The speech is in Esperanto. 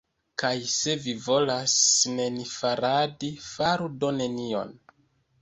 Kaj se vi volas nenifaradi, faru do nenion.